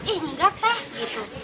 ih enggak teh gitu